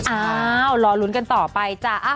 อ้าวรอลุ้นกันต่อไปจ้ะ